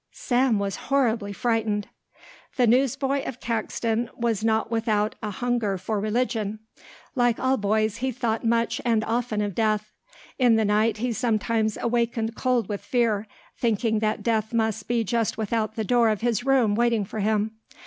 Sam was horribly frightened. The newsboy of Caxton was not without a hunger for religion. Like all boys he thought much and often of death. In the night he sometimes awakened cold with fear, thinking that death must be just without the door of his room waiting for him.